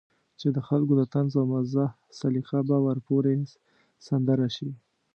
چې د خلکو د طنز او مزاح سليقه به ورپورې سندره شي.